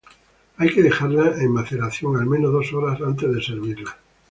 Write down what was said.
Hay que dejarla en maceración al menos dos horas antes de servirla.